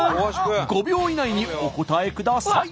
５秒以内にお答えください。